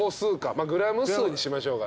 グラム数にしましょう。